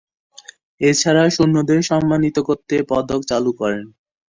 এছাড়া সৈন্যদের সম্মানিত করতে পদক চালু করেন।